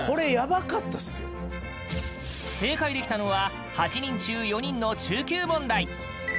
正解できたのは８人中４人の中級問題！